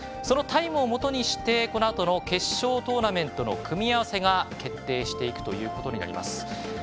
そのタイムをもとにしてこのあとの決勝トーナメントの組み合わせが決定していきます。